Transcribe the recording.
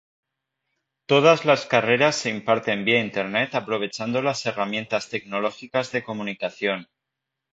Todas las carreras se imparten vía Internet aprovechando las herramientas tecnológicas de comunicación.